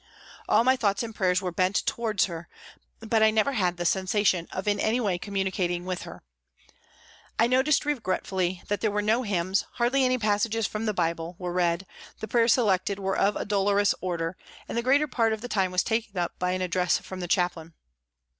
All my thoughts and prayers were bent towards her, but I never had the sensation of in any way communi cating with her. I noticed regretfully that there were no hymns, hardly any passages from the Bible were read, the prayers selected were of a dolorous order, and the greater part of the time was taken up by an address from the chaplain.